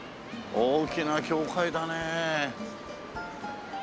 大きな教会だねえ。